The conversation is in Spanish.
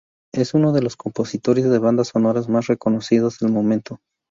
Es uno de los compositores de bandas sonoras más reconocidos del momento.